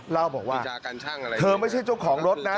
เล่าบอกว่าเธอไม่ใช่เจ้าของรถนะ